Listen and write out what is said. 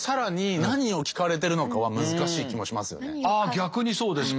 逆にそうですか。